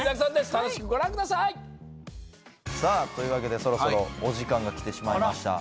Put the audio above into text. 楽しくご覧ください。というわけでそろそろお時間が来てしまいました。